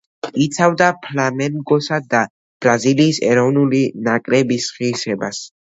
იცავდა „ფლამენგოსა“ და ბრაზილიის ეროვნული ნაკრების ღირსებას.